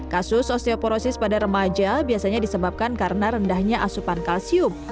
kasus osteoporosis pada remaja biasanya disebabkan karena rendahnya asupan kalsium